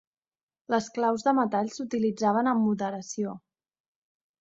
Els claus de metall s'utilitzaven amb moderació.